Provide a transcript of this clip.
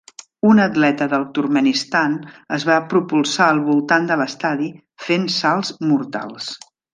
Un atleta del Turkmenistan es va propulsar al voltant de l'estadi fent salts mortals.